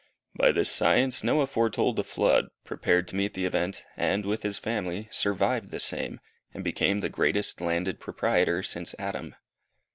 By this science Noah foretold the flood, prepared to meet the event, and, with his family, survived the same, and became the greatest landed proprietor since Adam.